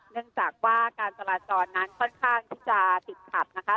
เนื่องจากว่าการจราจรนั้นค่อนข้างที่จะติดขัดนะคะ